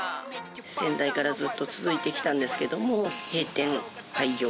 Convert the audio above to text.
先代からずっと続いてきたんですけども、閉店、廃業。